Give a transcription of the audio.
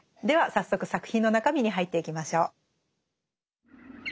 では早速作品の中身に入っていきましょう。